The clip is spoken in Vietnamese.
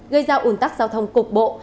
gây ra ủn tắc giao thông cục bộ